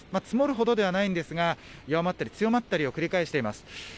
積もるほどではないんですが弱まって強まったりを繰り返しています。